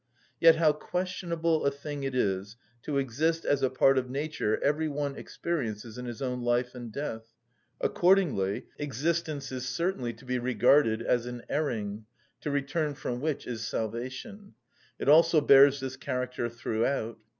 Yet how questionable a thing it is to exist as a part of nature every one experiences in his own life and death. Accordingly existence is certainly to be regarded as an erring, to return from which is salvation: it also bears this character throughout.